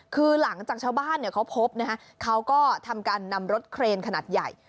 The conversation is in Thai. คือหลังจากชาวบ้านเขาพบนะฮะเขาก็ทำการนำรถเครนขนาดใหญ่